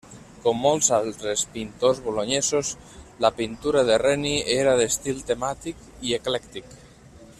Com molts altres pintors bolonyesos, la pintura de Reni era d'estil temàtic i eclèctic.